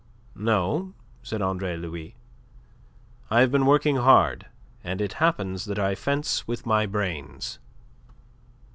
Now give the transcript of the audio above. "No," said Andre Louis. "I have been working hard; and it happens that I fence with my brains."